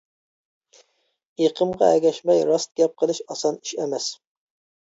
ئېقىمغا ئەگەشمەي، راست گەپ قىلىش ئاسان ئىش ئەمەس.